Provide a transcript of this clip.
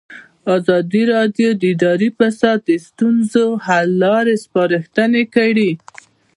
ازادي راډیو د اداري فساد د ستونزو حل لارې سپارښتنې کړي.